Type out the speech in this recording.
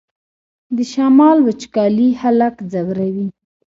د شمال وچکالي خلک ځوروي